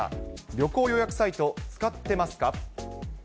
旅行予約サイト、使ってますか？